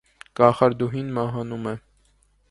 Կախարդուհին մահանում է։